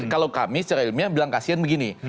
kalau kami secara ilmiah bilang kasihan begini